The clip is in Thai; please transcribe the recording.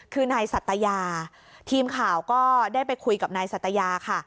คือนายสัตยาทีมข่าวก็ได้ไปคุยกับนายสัตยาค่ะ